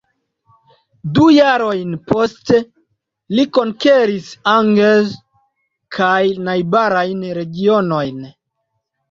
Du jarojn poste, li konkeris Angers kaj la najbarajn regionojn.